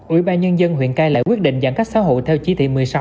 ủy ban nhân dân huyện cai lậy quyết định giãn cách xã hội theo chí thị một mươi sáu